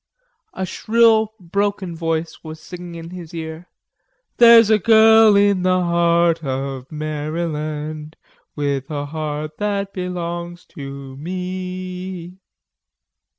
A shrill broken voice was singing in his ear: "There's a girl in the heart of Maryland With a heart that belongs to me e."